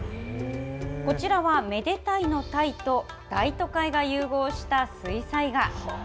こちらは、めでたいの鯛と、大都会が融合した水彩画。